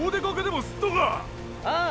ああ。